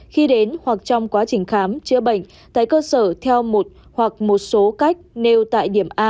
khi đến hoặc trong quá trình khám chữa bệnh tại cơ sở theo một hoặc một số cách nêu tại điểm a